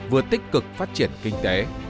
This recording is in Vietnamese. vừa tích cực phát triển kinh tế